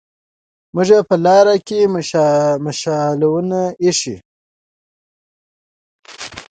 موږ يې په لار کې مشالونه ايښي